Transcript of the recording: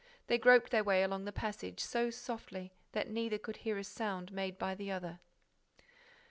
They groped their way along the passage, so softly that neither could hear a sound made by the other.